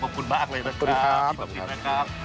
ขอบคุณมากเลยนะครับพี่ประสิทธิ์นะครับบ๊วยค่ะ